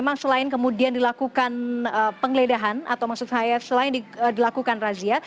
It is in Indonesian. memang selain kemudian dilakukan penggeledahan atau maksud saya selain dilakukan razia